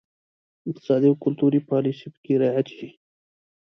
اقتصادي او کلتوري پالیسي پکې رعایت شي.